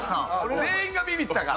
全員がビビったから。